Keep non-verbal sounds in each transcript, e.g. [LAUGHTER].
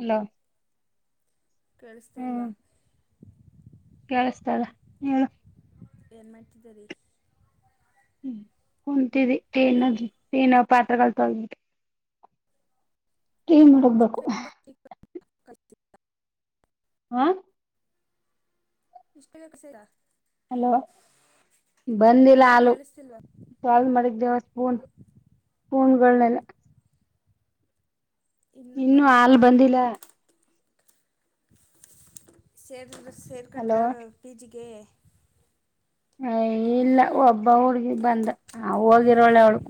Hello ಕೇಳಿಸ್ತಾಲ್ವಾ ಕೇಳಿಸತಲ್ಲ ಹೇಳು ಎಮಟಿದ್ದದಲ್ಲಿ ಹ್ಮ ಕುಂತಿದೆ ಏನ ಏನ ಪಾತ್ರಗಳು ತೊಬಿಿ ನಡಕ್ಬೇಕು ಹೆ ಹಾ ಇಷ್ಟು ಬೇಕಸೀರಾ ಹಲೋ ಬಂದಿಲ್ಲ ಹಲೋ ಹಾಲು ಕೇಳಿಸ್ತಿಲ್ವಾ ಕಲ್ ಮಾಡಿದ ದೇವಸ್ಪೂನ್ ಹೂಣಗಳನೆೆಲ್ಲ ಇನ್ನೂ ಇನ್ನು ಹಲ್ ಬಂದಿಲ್ಲ ಸೇರ್ಕ ಹಲೋ ಸೇರ್ಕೊಂಡ್ರ ಬೀಜಿಗೆ ಅ ಇಲ್ಲ ಒಬ್ಬ ಹುಡ್ಗಿ ಬಂದ ನ ಹೋಗಿರೋಳ ಅವಳು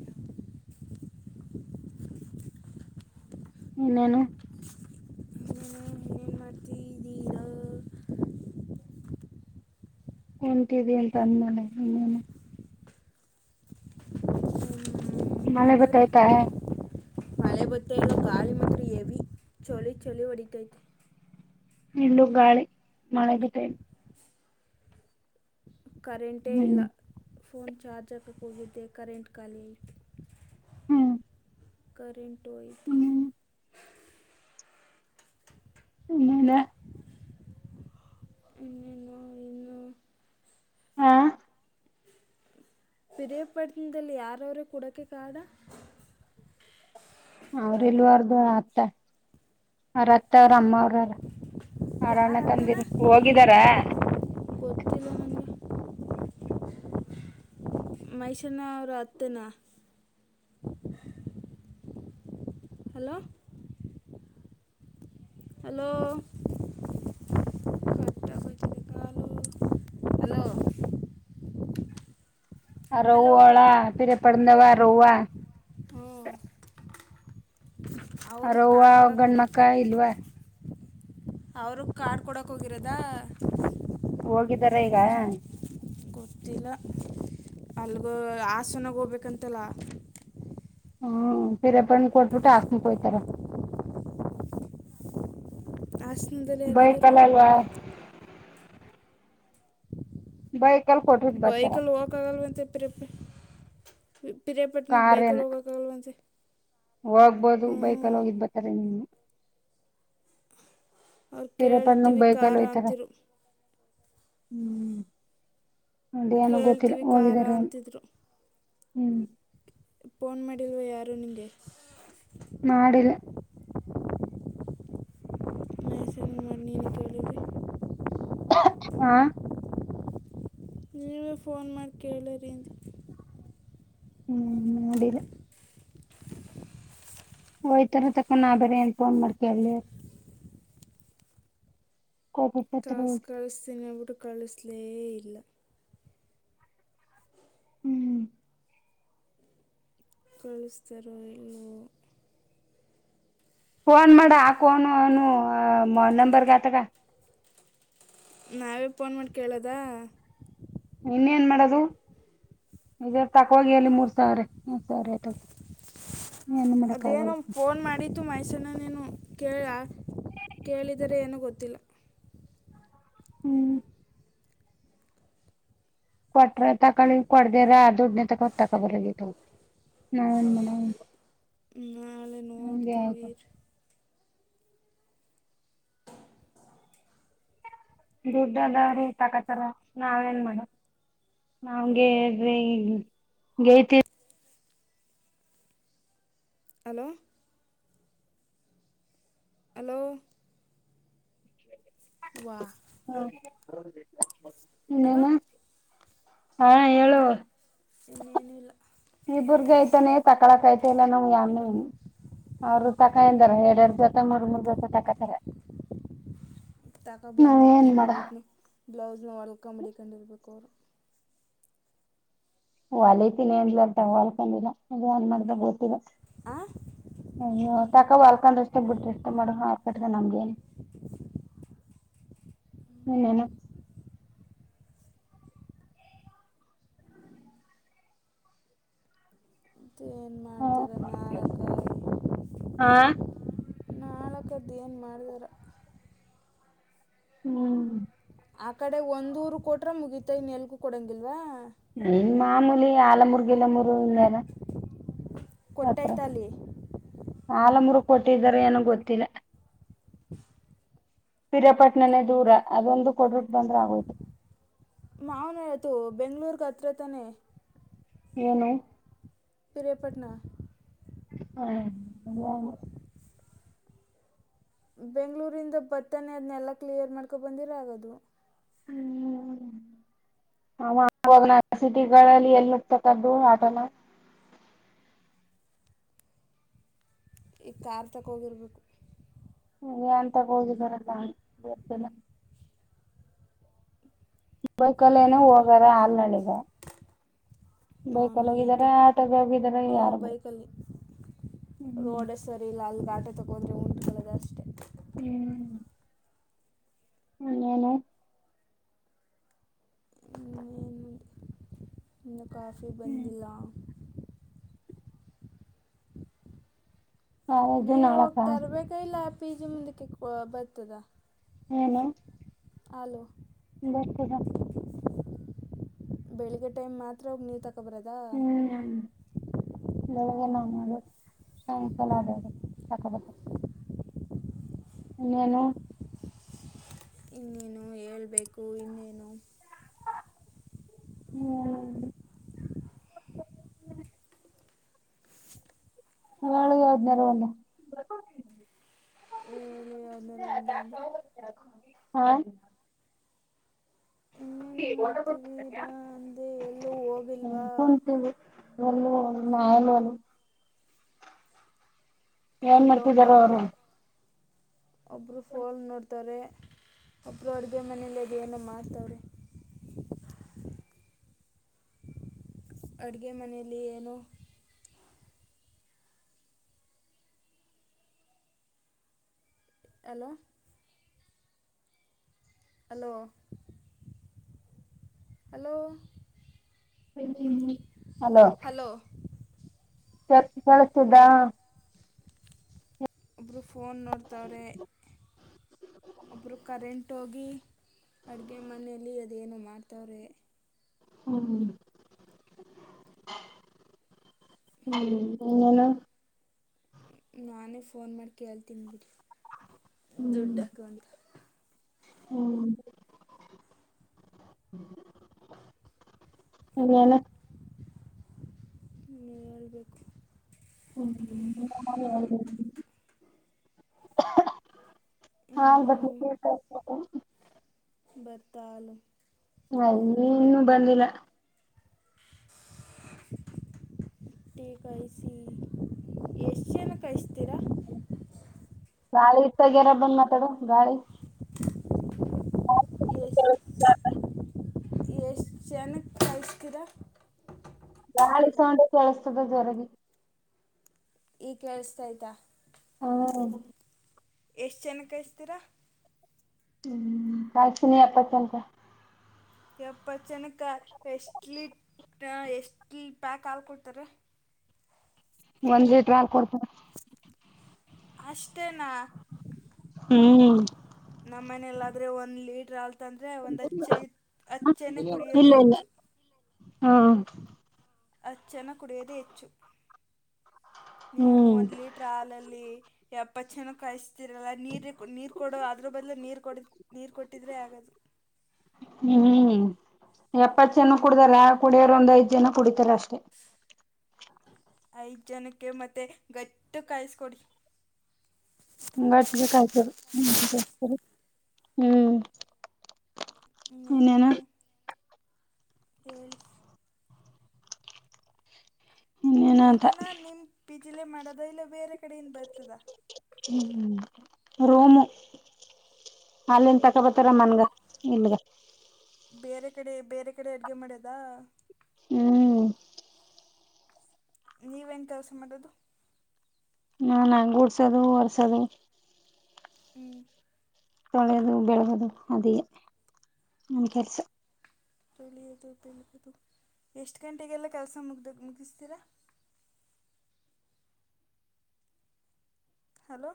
ಏನೇನುು ಏನೇನು ಮಾಡ್ತಿದ್ದೀರೋ ಉಂತಿದ ಅಂತ ಅಂದ್ಮೇಲೆ ಅಮ್ಮಲೆ ಮಳೆ ಗೊತ್ತಾಯ್ತಾ ಎ ಬತ್ತ ಕಾರ್ಡ್ ಚಳಿ ಚಳಿ ಹೊಡಿತೈತೆ ಇಲ್ಲ ಗಾಳಿ ಮಳೆದು ಟೈಮ ಕರೆಂಟೇ ಹ್ಮ್ ಇಲ್ಲ ಫೋನ್ ಚಾರ್ಜ್ ಹಾಕಕ್ಕೆ ಹೋಗಿದ್ದೆ ಕರೆಂಟ್ ಖಾಲಿ ಆಐಿತು ಹ್ಮ್ ಕಂಟುಯಿತ ಹ್ಮ್ ಎನ್ನನ ಇ ನ ಇನ ಹಾ ಪ್ರರಿಯಪಟ್ಟನದಲ್ಲಿ ಯಾರವರ ಕುಡಕೆ ಕಾಡ ಅವ್ರ ಇಲ್ವರ್್ದ ಅತ್ತ ಅವ್ರ ಅತ್ತ ಅವ್ರ ಅಮ್ಮ ಅವ್ರಾರ ಆರಾಮ ಯಾರು ಅತ್ತನ ತಂದಿರು ಹೋಗಿದಾರ ಗೊತ್ತಿಲ್ಲ ಮಹಷನಾ ಅವರು ಅತ್ತನಾ ಹಲೋ ಹಲೋ ಅಲೋ ರೌವ ಅವಳಾ ಪರ ಪಡಂದವಾ ರೌ್ವ ಹ್ಮ ಅ ರವ್ವ ಗಂಡ್ಮಕ್ಕ ಇಲ್ವಾ ಅವ್ರ ಕಾರ್ಡ್ ಕೊಡಕ್ ಹೋಗಿರದ ಹೋಗಿದ್ದಾರ ಈಗ ಗೊತ್ತಿಲ್ಲ ಅಲ್ಗ ಆಸನಾಗ ಹೋಗ್ಬೇಕಂತಲ್ಲ ಹ್ಮ್ ತಿರಪ ಕೊಟ್ಪುಟ ಆಸ್ನು ಕ ತರ ಆಸನದಲ್ಲಿ ಯಾರಿದ್ದಾರೂ ಬೈಕಲ್ ಅಲ್ವಾ ಬಾಯ ಕಲ್ ಬೈಕಲ್ಲಿ ಹೋಗಕಗಲ್ವೆ ಅಂತ ಎಪ್ಪಿ ಬಿರಯಪಟ್ಟಣಕ್ಕೆ ಬೈಕ ಕಾರೇನ ಹೋಗಾಗಲವಂಂತೆೆ ಹೋಗ್ಬೋದು ಬೈಕಲ್ಲಿ ಹೋಗಿದ್ ಬರ್ತಾರೆ ನಿಮ ಅವ್ರು ಪಿರಪಣ್ಣ ಕೇಳ್ತೀವಿ ಖ ಬೈಕಲ್ ಹೋಯ್ತಾರ ಅಂತಿರು ಹ್ಮ್ ಅಡಿ ನು ಗೊತ್ತಿಲ್ಲ ಕೇಳ್ತೀವಿ ಕಾರ ಹೋಗಿದಿದ್ದಾರೆ ಅಂತಿದ್ರು ಹ್ಮ್ ೋನ್ ಮಾಡಡಿಲ್ವಾ ಯಾರು ನಿಗೆ ಮಾಡಿಲ್ಲ ಮಹ ಹೆಸಲ್ ಮನ್ನಿ ನಿಿಕಳ್ಳಿದ್ದ ಹಾ ನೀವೇ ಫೋನ್ ಮಾಡಿ ಕೇಳಿರಿೀಿಂದ ಹ್ಮ್ ಅದಿನ ಹಯ್ತಾರ ತಕ್ಕ ನಾ ಬೇರ ಏನ್ ಫೋನ್ ಮಾಡ್ಕಲಿ ಕಾಸು ಕಳಸಿನವುಡು ಕಳಿಸಲೇ ಇಲ್ಲ ಹ್ಮ್ ಕಳಸ್ರ ಇಲ್ಲು ಫೋನ್ ಮಾಡ ಆಕೋನ್ ನು ನಂಬರ್ ಗಾತಗ ನಾವೇ ಫೋನ್ ಮಾಡಿ ಕೇಳೋದ ಇನ್ನೇನ್ ಮಾಡೋದು ಇದ ತಕ ಅಲ್ಲಿ ಮೂರ್ ಸಾವಿರ ಮೂರ್ ಸಾವಿರ ಆಯ್ತ ಏನು ಮಾಡಕ್ ಅದೇನ ಆಗಲ್ಲ ಫೋನ್ ಮಾಡಿದ್ದು ಮೈ ಚನ್ನಾನೇನು ಕೇಳ ಕೇಳಿದರೆ ಏನೂ ಗೊತ್ತಿಲ್ಲ ಹ್ಮ್ ಕೊಟ್ರ ತಕೊಳ್ಳಿ ಕೊಡ್ದೇವ್ರ ದೊಡ್ನೇ ತಕೊ ತಕೊಬರತ್ತು ನನ್ ಮ ನನ್ ನ ಅ ನ ತಿಿವ ದುಡ್ಡದವ್ರೀ ತಕಾತರ ನಾವ ನ್ ಮಾಡ ನಾವ್ಗೆೀ ಗತಿ ಹಲೋ ಹಲೋ ವಾ ಹ ಹಲೋ ಎಮ್ಮ ಹಾ ಹೇಳುವ ಇನ್ನೇನು ಇಲ್ಲ ಈ ಬುರ್ಗಿ ಐತಾನೆ ತಕಳಕ್ ಐತೆ ಇಲ್ಲ ನ ಯ ಅವರು ಹ್ಞೂ ತಕಾಯಂದಾರ ಎರ ಎರಡು ಜೊತ ಮೂರ್ ಮೂರ್ ಜೊತೆ ತಕತಾರೆ ತಗೋ ಏನ್ ಬಂದಾಗಲೆೇ ಮಾಡ ಬ್ಲೌಸ್ ನ ಬ್ಲೌಸ್ ನ ಹೊಲ್ಕ ಮಡಿಕೊಂಡಿರ್ಬೇಕು ಅವರು ಒ ಅಲತೀನಿ ಅಂದಟ ಹೊಲ್ಕೊಂಡಿಲ್ಲ ಏನ್ ಮಾಡ್್ದ ಗೊತ್ತಿಲ್ಲ ಆ ಹ ತಕ ವಾಲ್ಕೊಂಡ ಇಷ್ಟ ಬಿಟ್ರಿಷ್ಟ ಮಾಡ ಹಾ ನಗೆ ಇನ ಮತ್ತು ಏನು ಮಾಡ್ತಾರೆ ನಾರಕ ಆಾ ಅದುೇಏನು ಮಾಡಿದಾರ ಹ್ಮ್ ಆ ಕಡೆ ಒಂದ್ ಊರು ಕೊಟ್ರ ಮುಗೀತ ಇನ್ ಎಲ್ಗೂ ಕೊಡಂಗಿಲ್ವಾ ಇನ್ ಮಾಮೂಲಿ ಆಲಮುರ್ಗಿಲ ಮೂೂರು ಇನ್ೇಾರ ಹತ್ರ ಕೊಟ್ಟೈತ ಅಲ್ಲಿ ಆಲಮರು ಕೊಟ್ಟಿದಾರ ಏನ ಗೊತ್ತಿಲ್ಲ ಪಿರಾಪಟ್ಣನೇ ದೂರ ಅದೊಂದು ಕೊಡ್ರಟ್ಟ ಬಂದ್ರ ಆಗೋದು ಮಾನ್ ಹೇಳತು ಬೆಂಗ್ಳೂರ್ಗ ಹತ್ರ ತಾನೇ ಏನು ಪರಯಪಟ್ನಾ ಹಾ ಬಗ್ ಳೂರಿಂದ ಭತ್ತಾನೇ ಅದನ್ನೆಲ್ಲ ಕ್ಲಿಯರ್ ಮಾಡ್ಕೊ ಬಂದಿರ ಆಗದು [UNINTELLIGIBLE] ನ ಸಿಟಿಗಳಲ್ಲಿ ಎಲ್ಲಿ ಹೋಗತಕ್ಕದ್ದು ಆಟೋನ ಈಗ ಕಾರ್ ತಗೋಗಿರ್ಬೇಕು ಹ ನ್ ತಗ ಹೋಗಿದರ ಬೈಕಲ್ಲ ಏನ ಕೇಳೋಕ್ಕೆ ಹೋಗಾರ ಅಲ್ ನಡಗ ಬೇಕೇಕಲ್ಲೋಗಿದ್ದಾರೆ ಮಾವನಲ್ಲಿತ್ತು ಆಟಗೋಗಿದ್ದಾರೆ ಯಾರು ಬ ರೋಡ್ ಸರಿ ಇಲ್ಲ ಅಲ್ಲಿ ಬಾಟೆ ತಗೊಂಡ್ರೆ ಉಂಟಕೊಳ್ಳದ ಅಷ್ಟೇ ಹ್ಮ್ ಅನ್ನಾನ ನ ಕಾಫಿ ಬಂದಿಲ್ಲ ಕಾಲೇಜು ನೀವು ಹೋಗ ನಾಳಕ ತರ್ಬೇಕ ಇಲ್ಲ ಪೀಜಿ ಮುಂದಕ್ಕೆ ಬರ್ತದ ಹಏನು ಹಲೋ ಬಸದ ಬೆಳಿಗ್ಗೆ ಟೈಮ್ ಮಾತ್ರ ಹಗ್ ನೀ ತ ಹ್ಮ್ ಹ ಬೆಳಗ್ಗೆ ನ ಶಂಕಲ್ಲದ ಅ ಸಾಕಾಪ ನ್ನೇನು ಇನ್ನೇನು ಹೇಳ್ಬೇಕು ಇನ್ನೇನು ಹ್ಮ್ ಹಳಗೆ ಯಾವದನೇರ ಒಂದು ಯಾವ್ಮೇಲೆ ಒಂತ ಅಂದ್ರೆ ಹಾ ಇನ್ನೇನು ಹ ಮಾಡ್ತಿದ್ದೀರಾ ಅಂದೆ ಎಲ್ಲೂ ಹೋಗಿಲ್ವಾ ಕುಂತೀವಿ ನಾನಾನ ಏನ್ ಒಂದು ಮಾಡ್ತಿದಾರ ಅವರು ಒಬ್ರು ಫೋಲ್ ನೋಡ್ ತರೆ ಒಬರು ಅಡುಗೆ ಮನೇೆಯಲ್ಲಿದೆಲ್ಲ ಮಾಸ್ತವರೆ ಅಡುಗೆ ಮನೆಯಲ್ಲಿ ಏನು ಅಲೋ ಹಲೋ ಹಲೋ ಹಲೋ ಕೆಳ ದಾ ಒಬ್ರು ಫೋನ್ ನೋಡ್ತವ್ರೆ ಒಬ್ಬರು ಕರೆಂಟ್ಗಿ ಅಡುಗೆ ಮನೆಯಲ್ಲಿ ಅದೇನು ಮಾಡ್ತವ್ರೆ ಹ್ಮ ಹ್ಮ್ ಅನು ನಾನೇ ಫೋನ್ ಮಾಡಿ ಕೇಳ್ತೀನಿ ಬಿಡಿ ಹ್ಮ್ ದುಡ್ಡಕಂತ ಹ್ಮ್ ಅನಾನ ನಳ್ಬೇಕು ಹ್ಮ್ ಹಾ ಬ ಇನ್ನೇನು ಬತ್ತಾಲಲು ಹ ನೀ ಇನ್ನು ಬಂದಿಲ್ಲ ಗಐ ಏಷಿಯನ್ ನಾಳೆ ಇತ್ತಾಗ್ಯಾರ ಬಂದ್ ಮಾತಾಡ ಗಾಡಿ ಈಷ್ಟ ಚನಕ್ ಯಸ್ ಕರ ಗಾಳಿ ಸೊಂಡ ಕೆಲಸತದ ಜರಗೆ ಈ ಕೇಳ್ಸ್ತಯ್ತಾ ಹಾ ಎಷ್ಟ್ ಚನ್ನಕಿಸ್ತರಾ ಹ್ಮ್ ಕಾಯತಿನಿ ಎಪ್ಪತ್ಲ್ಕಟ್ ಎಪ್ಪತ್ ಜನಕ ಎಸ್ಲಿೀಟ್ ಎಷ್ಟು ಲಿ ಪ್ಯಾಕ್ ಹಾಲು ಕೊಡ್ತಾರೆ ಒಂದು ಲೀಟರ್ ಹಾಲು ಕೊಡ್ತಾರೆ. ಅಷ್ಟೇನಾ ಹ್ಮ್ ನಮ್ಮ ಮನೆಲ್ಲಾದ್ರೆ ಒಂದ್ ಲೀಟರ್ ಹಾಲ್ ಅಂತಂದರೆ ಒಂದು ಅಚ್ಚೆ ಇ ಹತ್ಚ್ಚೆನ ಕುಡಿಯೋದೇ ಹೆಚ್ಚು ಹ್ಮ ಹತಚ್ಚನಕ ಕುಡಿಯದೇ ಹೆಚ್ಚು ನೀವು ಹ್ಮ್ ಒಂದ ಲೀಟರ್ ಹಾಲಲ್ಲಿ ಎಪ್ಪತ್ತು ಜನ ಕಾಯಸ್ತ ರಲ್ಲ ನೀ ನೀರು ಕೊಡೋ ಅದ್ರ ಬದಲು ನೀರು ಕೊಡ ನೀರು ಕೊಟ್ಟಿದ್ರೆ ಆಗೋದು. ಹ್ಮ್ ಎಪ್ಪತ್ತು ಜನ ಕುಡಿದಾರ ಹಾಲ್ ಕುಡಿಯೋರು ಒಂದ್ ಐದ ಜನ ಕುಡಿತಾರ ಅಷ್ಟ [UNINTELLIGIBLE] ಐದ ಜನಕ್ಕೆ ಮತ್ತೆ ಗಟ್ಟ ಕಾಯಿಸಕೊಡಿ. ಗಟ್ಗೆ ಕಾಯಿಸೋದ ಹ್ಮ್ ಇನ್ನೇನು ಇನ್ನೆನು ಹೇಳಿ ಇನ್ನೇನ ಅಂತ ಊಟನ ನಿಮ್ಮ ಪಿಜಿಲೆ ಮಾಡದ ಇಲ್ಲ ಬೇರೆ ಕಡೆಯಿಂದ ಬರ್ತದಾ ಹ್ಮ್ ರೂಮ್ ಅಲ್ಲಿನ್ ತಕೊಬತಾರ ಮನ್ಗಕೆ ಇಲ್ಗ ಬೇರೆ ಕಡೆ ಬೇರೆ ಕಡೆ ಅಡುಗೆ ಮಾಡ್ಯದ ಹ್ಮ್ ನೀವೇನ್ ಕೆಲಸ ಮಾಡೋದು ಹಾ ನಾನು ಗೂಡ್ಸದು ಹೊರ್ಸದು ಹ್ಮ್ ಒಗೆದು ಬೆಳಗದು ಅದೇ ನಮ್ ಕೆಲ್ಸ ತೊಳೆಯದು ಬೆಳಗೋದು ಎಷ್ಟು ಗಂಟೆಗೆಲ್ಲ ಕೆಲಸ ಮುಗ್ದ ಮುಗಿಸ್ತೀರಾ ಹಲೋ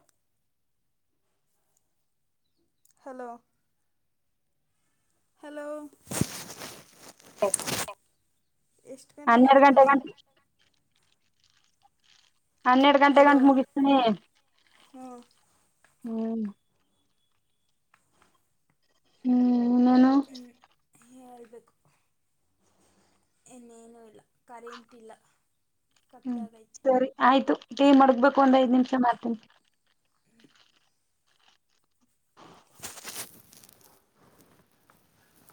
ಹಲೋ ಹಲೋ ಹ ಎಷ್ಟ್ ಗಂಟೆಗೆಲ್ಲ ಕೆಲಸ ಹನ್ನೆರಡ್ ಗಂಟೆ ಹಲೋ ಗಂ ಮುಗಿಸ್ತನಿ ಹ್ಞೂ ಹ್ಮ್ ಹ್ಮ್ ಇನ್ನೇನು ನೀನೇ ಹೇಳ್ಬೇಕು. ಇನ್ನೇನುೂ ಇಲ್ಲ ಕರೆಂಟ್ ಇಲ್ಲ. ಹ್ಮ್ ಕತ್ಲಾಗೈತೆ ಸರಿ ಆಯ್ತು ಟೀ ಮಡ್ಗ್ಬೇಕು ಒಂದ್ ಐದ್ ನಿಮಿಷ ಮಾಡತೀನಿ